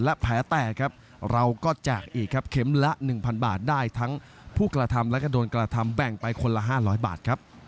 และแผลแตกครับเราก็แจกอีกครับเข็มละ๑๐๐บาทได้ทั้งผู้กระทำและก็โดนกระทำแบ่งไปคนละ๕๐๐บาทครับ